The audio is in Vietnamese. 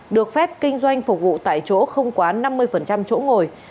được phép kinh doanh phục vụ tại chỗ không quá năm mươi chỗ ngồi